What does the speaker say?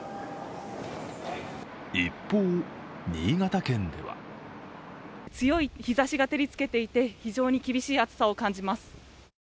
一方、新潟県では強い日ざしが照りつけていて非常に厳しい暑さを感じます。